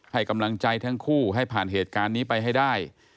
ให้กำลังใจทั้งคู่ให้ผ่านเหตุการณ์นี้ไปให้ได้